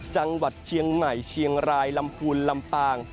จังหวัดเชียงใหม่เชียงรายลำพูนลำปาง